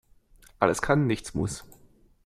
Alles kann, nichts muss.